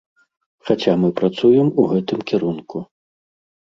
Хаця мы працуем у гэтым кірунку.